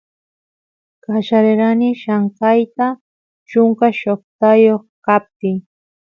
qallarerani llamkayta chunka shoqtayoq kaptiy